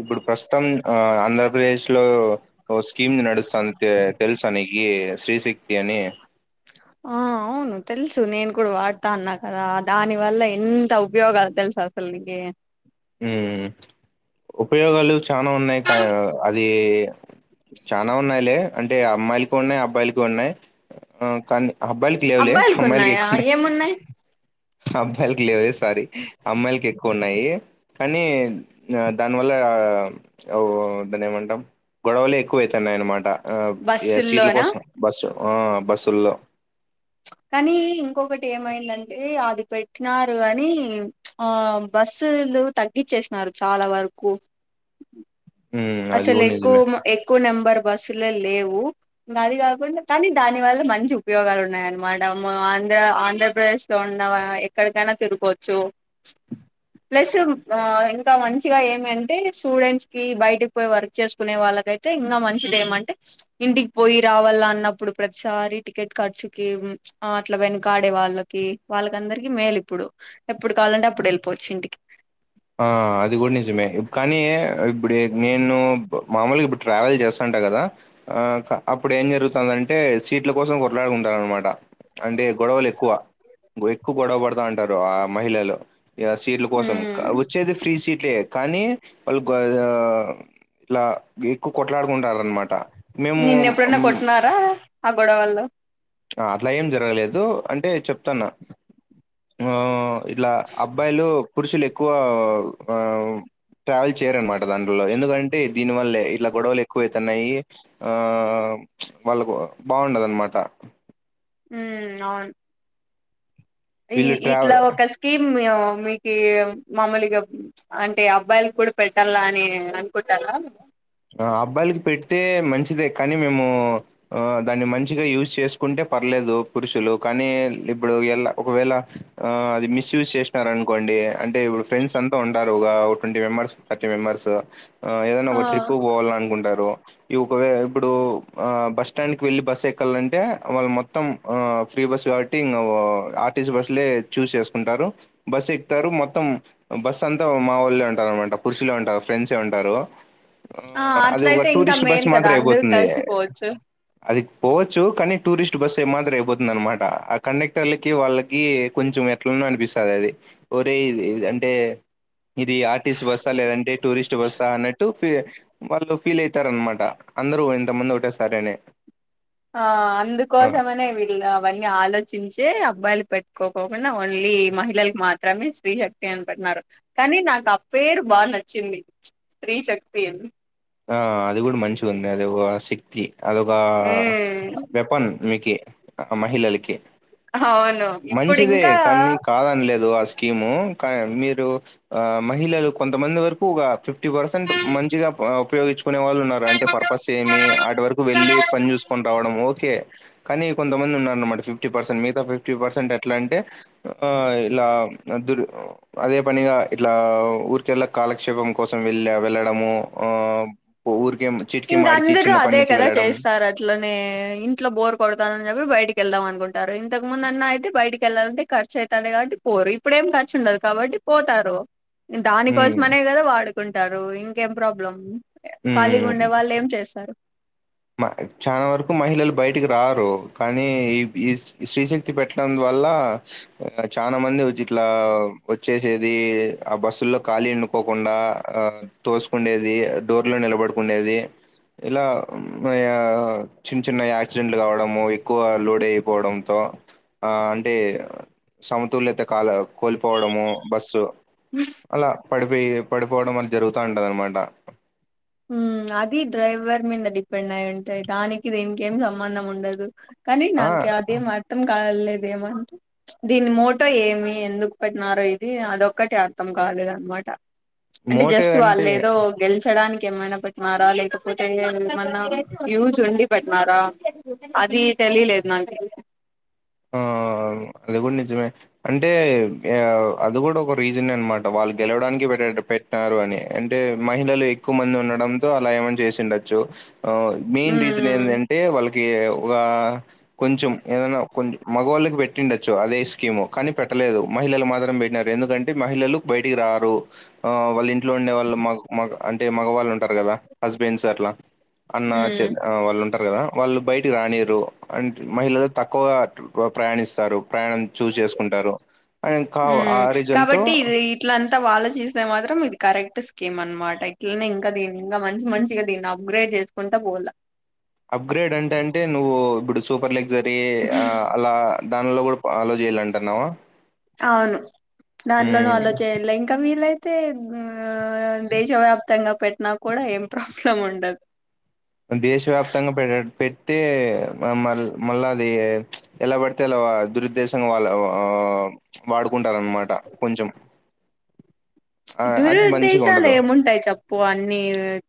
ఇప్పుడు ప్రస్తుతం ఆ ఆంధ్రప్రదేశ్ లో ఓ స్కీమ్ నడుస్తాంది తెల్సానికి శ్రీశక్తి అని ఆ అవును తెలుసు నేను కూడా వాడతా అన్నా కదా దాని వల్ల ఎంత ఉపయోగాలు తెలు ససల్ నే ఉ ఉపయోగాలు చానా ఉన్నాయ్ కా అది చానా ఉన్నాయిలే అంటే అమ్మాయిలకి ఉన్నాయి అబ్బాయిలకి ఉన్నాయి ఆ కానీ అబ్బాయిలకి లేవులే అబ్బాయిలకు అమ్మాయిలకి ఉన్నాయా ఎక్కువున్నయ్ ఏమున్నాయి అబ్బయిలకి లేవే సారీ అమ్మాయిలకి ఎక్కువ ఉన్నాయి కానీ దానివల్ల ఓ దాన్ని ఏమంటాం గొడవలే ఎక్కువయితన్నాయి అనమాట ఆ సీట్ల బస్సుల్లోనా కోసం బస్సు ఆ బస్సుల్లో కానీ ఇంకొకటి ఏమైందంటే అది పెట్టినారు అని ఆ బస్సు తగ్గించేసినారు చాలా వరకు హ్మ్. అది అసలు గూడా ఎక్కు నిజమే. ఎక్కువు నెంబర్ బస్సులే లేవు ఇంగ అది కాకుండా కానీ దాని వల్ల మంచి ఉపయోగాలు ఉన్నాయ అనమాట మా వాన్ ఆంధ్ర ఆంధ్రప్రదేశ్ లో ఉన్నవా ఎక్కడికైనా తిరుకోవచ్చు ప్లస్ ఇంకా మంచిగా ఏమి అంటే స్టూడెంట్స్ కి బయటి పో వర్క్ చేసుకునే వాళ్ళకయితే ఇంకా మంచిది ఏమంటే ఇంటికి పోయి రావాల అన్నప్పుడు ప్రతిసారి ఈ టికెట్ ఖర్చుకి ఆ అట్ల వెనుకాడే వాళ్ళకి వాళ్ళకందరికి మేలు ఇప్పుడు ఎప్పు కాలంటే అప్పుడు వెళ్ళిపోచ్చు ఇంటికి ఆ! అది గూడా నిజమే. కానీ ఇప్పుడు నేను మామూలుగా ఇప్పుడు ట్రావెల్ చేస్తాంటా కదా అప్పుడు ఏం జరుగుతదంటే సీట్ల కోసం కొట్లాడుకుంటారు అనమాట అంటే గొడవలు ఎక్కువ ఎక్కువ గొడవ పడతా అంటారు ఆ మహిళలు ఆ సీట్ల కోసం క వచ్చేది ఫ్రీ సీట్లే కానీ వాళ్ గొ ఆ ఇట్లా ఎక్కువ కొట్లాడుకుంటరు అనమాట నిన్న ఎప్పుడైన కొట్టినార ఆ గొడవల్లో ఆ అట్ల ఏం జరగలేదు అంటే చెప్తన్న ఆ ఇట్ల అబ్బాయిలు పురుషులు ఎక్కువ ఆ ఆ ట్రావెల్ చేయరన్నమాట దండ్రల ఎందుకంటే దీనివల్లే ఇట్ల గొడవలు ఎక్కువైతున్నయి ఆ వాళ్ళకు బాగుండద అన్నమాట ఉమ్మ్ అవున్ ఈ వీళ్ళు ఇట్ల ట్రావెల్ ఒక స్కీమ్ మేము మీకి మామలుగ అంటే అబ్బాయిలు కూడ పెట్టాల అని అనుకుంటాన అవునా ఆ అబ్బాయిలకి పెడితే మంచిదే కానీ మేము దాన్ని మంచిగ యూజ్ చేసుకుంటె పర్లేదు పురుషులు కానీ ఇప్పుడు ఎల ఒకవేళ అది మిస్యూజ్ చేసినార అనుకోండి డి అంటె ఇప్పుడు ఫ్రెండ్స్ అంతా ఉంటారు ఒక ట్వంటీ మెంబెర్స్ థర్టీ మెంబర్స్ ఆ ఏదైన ఒక ట్రిప్ పోవాల అనుకుంటారు ఇ ఒకే ఇప్పుడు ఆ బస్ స్టాండ్కి వెళ్ళి బస్ ఎక్కాలంటే వాళ్ళు మొత్తం ఆ ఫ్రీ ఫ్రీ బస్ కాబట్టి ఇంగ ఆర్టీస బస్ లే చూస్ చేసుకుంటారు బస్ ఎక్కుతారు మొత్తం బస్సు అంతా మా వాళ్లే ఉంటారు అనమాట పురుషులే ఉంటారు ఫ్రెండ్సే ఉంటారు ఆ అది ఒక అట్లయితే ఇంకా టూరిస్ట్ బస్ మేలు కదా మాత్రం అందరూ అయిపోతుంది కలిసిపోవచ్చు అది పోవచ్చు కానీ టూరిస్ట్ బస్సు ఏ మాత్రం అయిపోతుంది అనమాట ఆ కండక్టర్లకి వాళ్ళకి కొంచెం ఎట్లనో అనిపిస్తాది అది ఒరేయ్ ఇది అంటె ఇది ఆర్టిసి బస్సా లేదంటె టూరిస్ట్ బస్సా అన్నట్టు ఫ్రీ వాళ్ళు ఫీల్ అయితారు అనమాట అందరూ ఇంతమంది ఒకటే సారెఅని ఆ అందుకోసమనే వీళ్ళు అవన్నీ ఆలోచించే అబ్బాయిలకు పెట్టుకోపోకుండ ఓన్లీ మహిళకి మాత్రమే స్త్రీ శక్తి అనికుంటున్నారు కానీ నాకు ఆ పేరు బాగా నచ్చింది స్త్రీ శక్తి అని ఆ అది కూడ మంచిగ ఉంది అది ఒక శక్తి అదొక ఉమ్ వెపన్ మీకె ఆ మహిళలకె అవును ఇప్పుడు మంచిదే ఇంకా కానీ కాదని లేదు అసలు స్కీము క మీరు ఆ మహిళలు కొంతమంది వరకు ఒక ఫిఫ్టీ పర్సెంట్ మంచిగ ఉపయోగించుకునే వాళ్ళు ఉన్నారు అంటే పర్పస్ ఏమి ఆటి వరకు వెళ్ళి పని చూసుకొని రావడం ఓకే కానీ కొంతమంది ఉన్నారన్నమాట ఫిఫ్టీ పర్సెంట్ మిగత ఫిఫ్టీ పర్సెంట్ ఎట్ల అంటే ఆ ఇలా దు అదే పనిగా ఇట్లా ఊరికెళ్ళ కాలక్షేపం కోసం వెళ్ళ వెళ్ళడము ఆ పూర్క్ ఇంక అందరు అదే కద చేస్తారు అట్లనే ఇంట్లో బోర్ కొడతానని చెప్పి బయటికి కెళ్దాం అకుంటారు ఇంతకు ముందు అన్నయి ఐతే బయటి వెళ్ళాలంటే కర్చు అవుతుంది కాబట్టి పోరు ఇప్పుడేం ఖర్చుండదు కాబట్టి పోతారు హ్మ్. దానికోసం అనే కద వాడుకుంటారు ఇంకేం ప్రాబ్లం ఖాళీగా ఊమ్ ఉండే వాళ్ళు ఏం చేస్తారు చాన వరకు మహిళలు బయటకి రారు కానీ ఈ స్త్రీ శక్తి పెట్టడం వల్ల చాన మంది ఇట్లా వచ్చేసేది ఆ బస్సుల్లో కాలి వుండకోకుండ తోసుకు ఉండేది డోర్ లో నిలబడుకుండేది ఇలా చిన్న చిన్న యాక్సిడెంట్లు కావడము ఎక్కువ లోడ్ అయిపోవడంతో ఆ అంటె సమతుల్యత కాల కోల్పోవడము బస్సు అల పడిపోయి పడిపోవడం అని జరుగుతా ఉంటది అనమాట ఊమ్ అది డ్రైవర్ మీద డిపెండ్ అయ్యి ఉంటయి దానికి దీనికి ఏం సంబంధం ఉండదు కానీ ఆ నాకి అదేం అర్థం కాలేదేమంటె దీని మోటో ఏమి ఎందుకు పెట్టినారో ఇది అదొక్కటి అర్థం కాలేదు అనమాట అంటే మోటివ్ జస్ట్ అంటే వాళ్లేదో గెలిచడానికి ఏమైనా పట్టినారా లేకపోతే ఏమన్నా యూస్ ఉండి పెట్టినారా అది తెలిలేదు నాకి ఆ అది కూడా నిజమే అంటే అది కూడా ఒక రీజనే అనమాట వా వాళ్ళు గెలవడానికి పెట్ పెట్నారు అని అంటే మహిళలు ఎక్కువ మంది ఉండడంతో అలా ఏమన్నా చేసిండొచ్చు. మెయిన్ రీజన్ ఏంది హ్మ్. అంటే వాళ్ళకి ఒక కొంచెం ఏదనా మగవాళ్ళకి పెట్టిండొచ్చు. అదే స్కీము కానీ పెట్టలేదు మహిళలు మాత్రం పెట్టినారు ఎందుకంటే మహిళలు బయటికి రారు వాళ్ళు ఇంట్లో ఉండే వాళ్ళు మగ్ మగ అంటే మగవాళ్ళు ఉంటారు కదా హస్బెండ్స్ అట్లా అన్న హ్మ్. చె హ్మ్. ఆ వాళ్ళు ఉంటరు కదా వాళ్ళు బయటికి రానిరు అంట మహిళలు తక్కువగా ప్రయాణిస్తారు ప్రయాణం చూజ్ జేసుకుంటారు కాబట్టి ఇది ఇట్లంతా వాళ్ళు చేసే మాత్రం ఇది కరెక్ట్ కేం అనమాట ఇట్లనే ఇంకా దీని ఇంగ మంచి మంచిగా దీన్ని అప్గ్రేడ్ చేసుకుంటా పోల్ల అప్గ్రేడ్ అంటే అంటే నువ్వు ఇప్పుడు సూపర్ లె సరి ఆ అలా దానిలో కూడా అలో చేయల్ల అంటున్నావా అవును దాంట్లోనూ అలో చేయల్ల ఇంకా వీలైతే ఆ దేశవ్యాప్తంగా పెట్నా కూడా ఏం ప్రాబ్లం ఉండదు దేశవ్యాప్తంగా పెట్టీ మల్ మళ్ళా అది ఎలా పడితే అలా దురుద్దేశంగా వాళ్ళ ఆ వాడు కుంటారనమాట కొంచెం ఆ, అది మంచిగా దురుద్దేశాలు ఉండదు ఏముంటాయి చప్పు అన్ని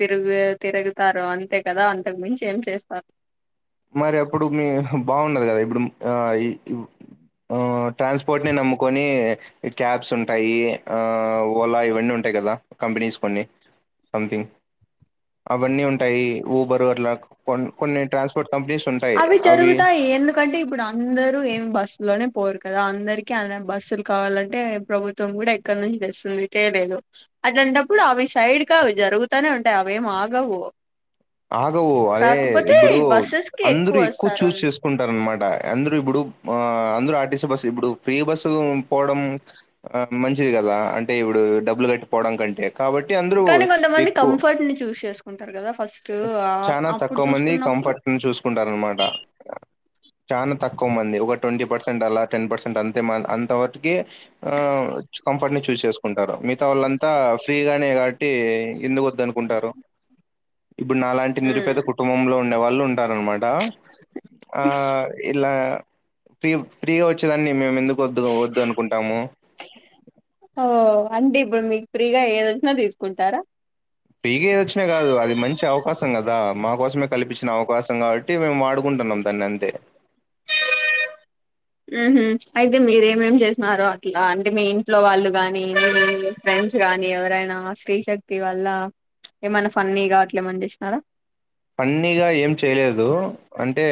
తిరుగు తిరుగు చెస్తారు అంతే కదా అంతకు మించి ఏం చేస్తారు మరి అప్పుడు మీ బాగుండదు కదా ఇప్పుడు ఆ ఇ ఆ ట్రాన్స్పోర్ట్ ని నమ్ముకొని క్యాబ్స్ ఉంటాయి ఆ ఓలా ఇవన్నీ ఉంటాయి కదా కంపెనీస్ కొన్ని సంథింగ్ అవన్నీ ఉంటాయి ఊబర్ వర్ల కొ కొన్ని ట్రాన్స్ అవి జరుగుతాయి ఎందుకంటే ఇప్పుడు అందరు ఏం బస్సులోనే పోరు కదా అందరికి అలా బస్సులు కావాలంటే ప్రభుత్వం కూడా ఎక్కడ నుంచి తెస్తుంది తెలే అట్లాంటప్పుడు అవి సైడ్ కా అవి జరుగుతానే ఉంటాయి అవేం ఆగవు ఆగవు అదే కాకపోతే ఇప్పుడు బస్సెస్ కి అందరు ఎక్కువ వస్తారు చూజ్ అంత చేసుకుంటార అనమాట అందరు ఇప్పుడు ఆ అంద ఆర్టిస్ట్ బస్సు ఇప్పుడు ఫ్రీ బస్సు పోవడం మంచిది కదా అంటే ఇప్పుడు డబ్లు కట్ పోవడం కంటే కాబట్టి అందరూ కానీ కొంతమంది కంఫర్ట్ ని చూస్ చేసుకుంటారు కదా ఫస్ట్ ఆ చానా అప్పుడు తక్కువ మంది చూసుకున్నప్పుడు కంఫర్ట్ ని చూసుకుంటార అనమాట చానా తక్కువ మంది ఒక ట్వంటీ పర్సెంట్ అలా టెన్ పర్సెంట్ అంతే అంతవర ఆ కంఫర్ట్ ని చూస్ చేసుకుంటారు మిగతా వాళ్ళంతా ఫ్రీగానే కావట్టి ఎందుకు వద్దనుకుంటారు ఇప్పుడు నాలాంటి నిరుపేద ఉమ్ కుటుంబంలో ఉండే వాళ్ళు ఉంటార అన్మాట్ ఆ ఆ ఇలా ఫీ ఫ్రీ గా వచ్చే దాన్ని మేము ఎందుకు వద్దు వద్దు అనుకుంటాము అండి ఇప్పుడు మీకు ఫ్రీగా ఏది వచ్చినా తీసుకుంటారా ఫ్రీగా ఏదొచ్చినా గాదు అది మంచి అవకాశం గదా! మా కల్పించిన అవకాశం కాబట్టి మేము వాడుకుంటున్నాం దాన్ని అంతే ఉహు అయితే మీరేమేం చేసినారో అట్లా అంటే మీ ఇంట్లో వాళ్ళు గాని, మీ ఫ్రెండ్స్ రాని ఎవరైనా శ్రీశక్తి వల్ల ఏమైనా ఫన్నీగా అట్లే ఏమని చేసినారా? పన్నీగా ఏం చేయలేదు అంటే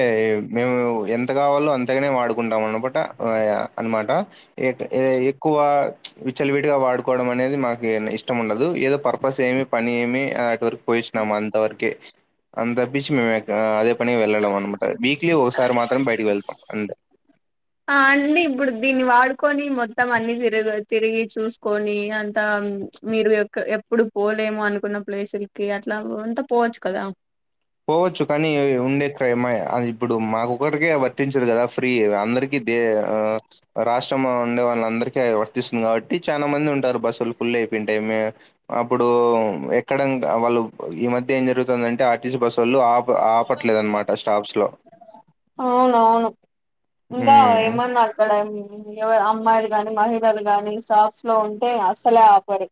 మేము ఎంత కావాలో అంతగానే వాడుకుంటాము. నువ్ అనుకుంట వయా అనమాట ఎక్కువ విచలవిడిగా వాడుకోవడం అనేది మాకు ఏమి ఇష్టం ఉండదు ఏదో పర్పస్ ఏమి పని ఏమి అటి వరకు పోయిచ్చినాము అంతవరకే అంత బీచ్ మేము అదే పని వెళ్ళలేం అనమాట వీక్లీ ఒకసారి మాత్రం బయటకి వెళ్తాం అంతే ఆ అండి ఇప్పుడు దీన్ని వాడుకొని మొత్తం అన్ని తిరు తిరిగి చూసుకొని అంతా ఊఉమ్ మీరు ఎ ఎప్పుడు పోలేము అనుకున్న ప్లేసులకి అట్లా అంతా పోవచ్చు కదా పోవచ్చు కానీ ఉండే క్రైమా అది ఇప్పుడు మాకొక్కరికే వర్తించదు కదా ఫ్రీ అందరికీ ఏ ఆ రాష్ట్రం ఉండే వాళ్ళ అందరికి వర్తిస్తుంది కాబట్టి చాలా మంది ఉంటారు బస్సులు ఫుల్ ఏప్పింటెమ్ అప్పుడు ఎక్కడ వాళ్ళు ఈ మధ్య ఏం జరుగుతుందింటే టీ బస్సు వాళ్ళు ఆప ఆపట్లేదునమాట స్టాప్స్ లో అవునవును ఇంకా ఉమ్ ఏమన్నా అక్కడ ఎవ అమ్మాయి గానీ మహిళలు కాని స్టాఫ్స్ లో ఉంటే అస్సలే ఆపరు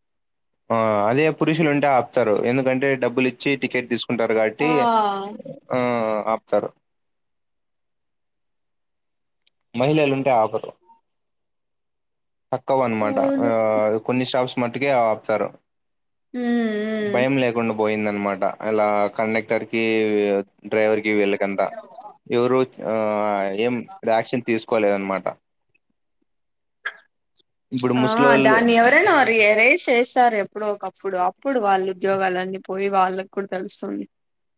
ఆ అదే పురుషులు ఉంటే ఆపుతారు ఎందుకంటే డబ్బులు ఇ చ్చి టికెట్ తీసుకుంటారు కాబట్టి ఆ! ఆ ఆపుతారు. మహిళలుంటే ఆపరు తక్కువ అనమాట అవును ఉమ్ ఆ కొన్ని స్షాప్స్ మట్టుకే ఆపుతారు. ఉమ్ భయం లేకుండా పోయిందనమాట ఇలా కండక్టర్ కి డ్రైవర్ కి వెళ్ళకంత ఎవరు ఆ ఏం యాక్షన్ తీసుకోలేద అనమాట ఇప్పుడు ఆ ముసలోళ్ళు దాన్ని ఏవరేనా రి హరేష్ చేస్తారు ఎప్పుడో ఒకప్పుడు అప్పుడు వాళ్ళ ఉద్యోగాలున్నీ పోయి వాళ్ళకి కూడా తెలుస్తుంది.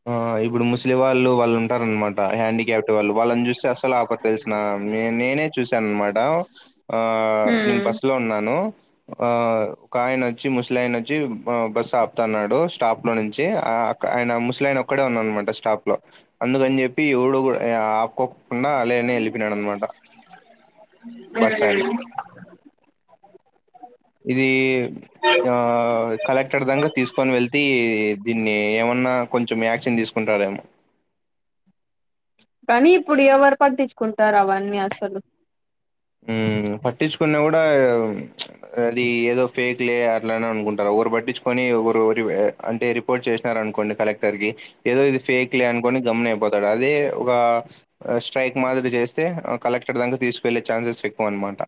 ఆ ఇప్పుడు ముస్లిం వాళ్ళు వాళ్ళు ఉంటార అన్నమాట. హ్యాన్డి కప్ట్ వాళ్ళు వాళ్ళని చూస్తే అసలు ఆపరు తెలిసిన నేనే చూసాను అనమాట ఆ నేను బస్ లో ఉన్నాను. ఆ ఒకాయన వచ్చి ముసలాయిన వచ్చి బస్సు ఆపుతున్నాడు. స్టాప్ లో నుంచి ఆ ఆయన ముస్లియాన ఒక్కడే ఉన్నానమాట స్టాప్ లో అందుకని చెప్పి ఎవడు కూడా ఆప్ కుండా అ లే లేనే వెళ్ళిపోనడు అనమాట బస్ ఆయన [unintelligible] ఇది ఆ కలెక్టర్ దంకా తీసుకొని వెళ్తే దీన్ని ఏమన్నా కొంచెం యాక్షన్ తీసుకుంటారేమో కానీ ఇప్పుడు ఎవరు పట్టించుకుంటారు అవన్నీ అసలు ఉ పట్టించుకున్నా కూడా అది ఏదో ఫేక్ లే అట్లనే అనుకుంటారు. ఒకరు పట్టించుకొనిరు అంటే రిపోర్ట్ చేసినార అనుకోండి కలెక్టర్ కి ఏదో ఇది ఫేక్ లే అనుకోం గమ్మున్నయ్పోతాడు అది ఒక స్ట్రైక్ మాదిరి చేస్తే కలెక్టర్ దంకా తీసుకెళ్లి చాన్సస్ ఎక్కువన్న మాట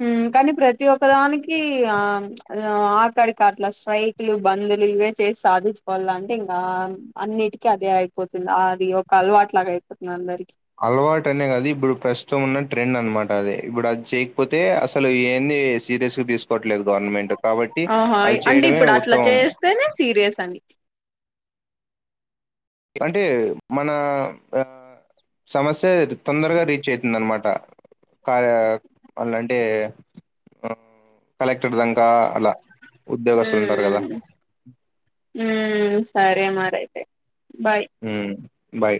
హ కాని ప్రతి ఒక్కదానికి ఆ ఆకడి కాట్లా స్ట్రైక్లు బందలు ఇవే చే సి సాధించుకోవాల అంటే ఇంకా అన్నిటికీ అదే అయిపోతుంది. అది ఒక అలవాట్లాగా అయిపోతుంది అందరికీ అలవాటు అనే కాదు ఇప్పుడు ప్రస్తుతం ఉన్న ట్రెండ్ అనమాట అది ఇప్పుడు అది చేయకపోతే అసలు ఏ ది సిరియస్గా తీసు కోట్లేదు గవర్నమెంట్ కాబట్టి ఆహా అది అంటే చేయడమే ఇప్పుడు అట్లా ఉత్తమం. చేస్తేనే సీరియస్ అని అంటే మన ఆ సమస్య తొందరగా రీచ్ అయితుంది అనమాట. కార్య అళ్ళ అంటే కలెక్టర్ దాంకా అలా ఉ ఉద్యోగస్తులుంటారు కదా! ఉ సరే మారియితే ఉ బాయ్